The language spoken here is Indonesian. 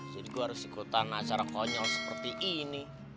jadi gue harus ikutan acara konyol seperti ini